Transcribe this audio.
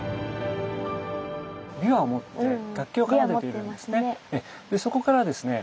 琵琶を持って楽器を奏でているんですね。